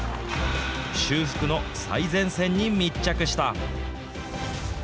修復の最前線に密着した。